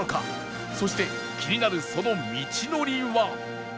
そして気になるその道のりは？